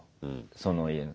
その家の。